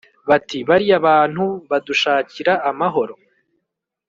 bati bariya bantu badushakira amahoro